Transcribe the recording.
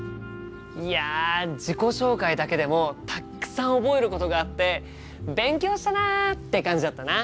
いや自己紹介だけでもたくさん覚えることがあって勉強したなって感じだったな！